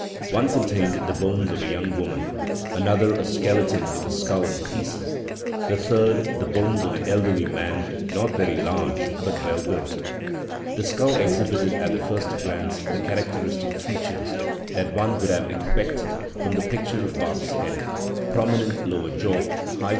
One contained the bones of a young woman, another a skeleton with the skull in pieces, the third the bones of an "elderly man, not very large, but well built". The skull exhibited at the first glance the characteristic features that one would haVe ex * The letter is dated 24th January 1829.